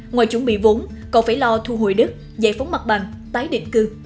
ngoài chuẩn bị vốn còn phải lo thu hồi đất giải phóng mặt bằng tái định cư